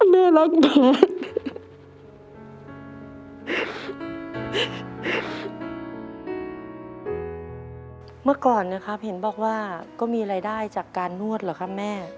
เมื่อก่อนนะครับเห็นบอกว่าก็มีรายได้จากการนวดเหรอครับแม่